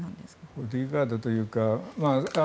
ボディーガードというか。